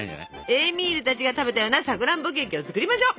エーミールたちが食べたようなさくらんぼケーキを作りましょう。